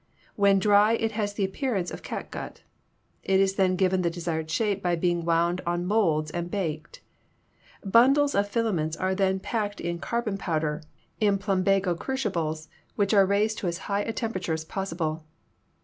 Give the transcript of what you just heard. When dry it has the appearance of catgut. It is then given the desired shape by being wound on molds and baked. Bun dles of filaments are then packed in carbon powder in 240 ELECTRICITY plumbago crucibles which are raised to as high a tempera ture as possible.